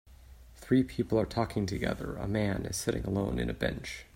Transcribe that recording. Three people are talking together, a man is sitting alone in a bench.